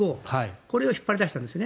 これを引っ張り出したんですね。